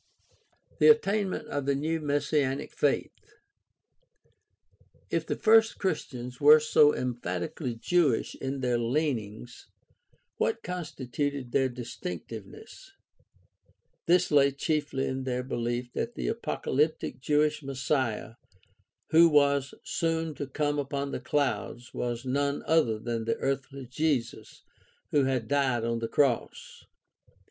The attainment of the new messianic faith. — If the first Christians were so emphatically Jewish in their leanings, what constituted their distinctiveness ? This lay chiefly in their belief that the apocalyptic Jewish Messiah who was soon to come upon the clouds was none other than the earthly Jesus who had died on the cross.